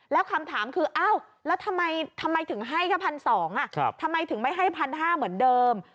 แล้วคำถามคืออ้าวแล้วทำไมถึงให้แค่๑๒๐๐บาททำไมถึงไม่ให้๑๕๐๐เหมือนเดิม